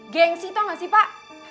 gengsi tau gak sih pak